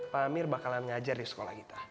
pak amir bakalan ngajar di sekolah kita